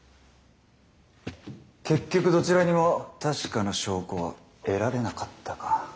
結局どちらにも確かな証拠は得られなかったか。